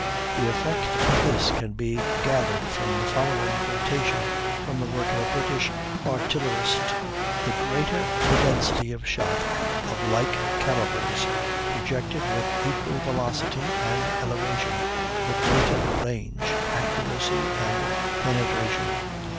The effect of this can be gathered from the following quotation from the work of a British artillerist: "The greater the density of shot of like calibres, projected with equal velocity and elevation, the greater the range, accuracy, and penetration."